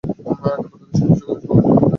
দেবতাদের সন্তুষ্ট করতে, সবাইকে অঞ্জলি দিতে হবে।